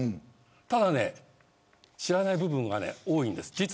ただ知らない部分が多いんです。